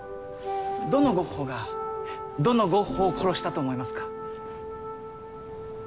どのゴッホがどのゴッホを殺したと思いますか？